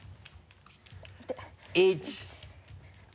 １。